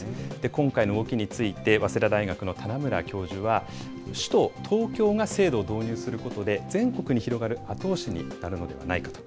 今回の動きについて、早稲田大学の棚村教授は、首都東京が制度を導入することで、全国に広がる後押しになるのではないかと。